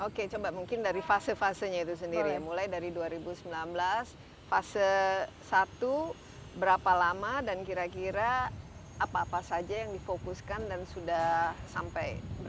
oke coba mungkin dari fase fasenya itu sendiri ya mulai dari dua ribu sembilan belas fase satu berapa lama dan kira kira apa apa saja yang difokuskan dan sudah sampai berapa